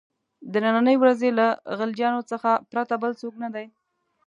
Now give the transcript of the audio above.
د نني ورځې له غلجیانو څخه پرته بل څوک نه دي.